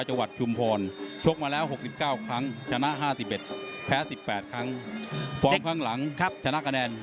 ชกมาแล้ว๗๖ครั้งชนะ๕๖